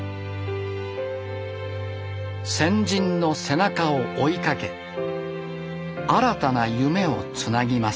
先人の背中を追いかけ新たな夢をつなぎます。